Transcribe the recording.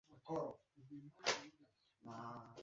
Wanyama wagonjwa na wazima watenganishwe ili kuzuia maambukizi